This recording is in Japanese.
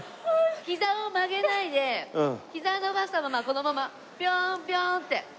膝を曲げないで膝を伸ばしたままこのままピョンピョンって。